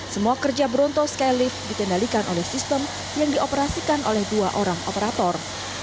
semua kerja bronto skylift dikendalikan oleh sistem yang dioperasikan oleh dua orang operator